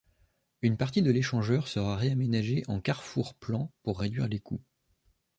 Une partie de l'échangeur sera réaménagé en carrefour plan pour réduire les coûts.